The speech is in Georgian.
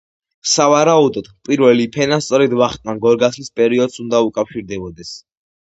სავარაუდოდ, პირველი ფენა სწორედ ვახტანგ გორგასლის პერიოდს უნდა უკავშირდებოდეს.